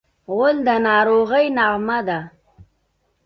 غول د ناروغۍ نغمه ده.